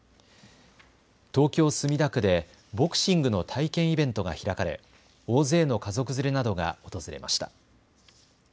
東京墨田区でボクシングの体験イベントが開かれ大勢の家族連れなどが訪れました。